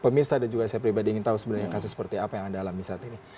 pemirsa dan juga saya pribadi ingin tahu sebenarnya kasus seperti apa yang anda alami saat ini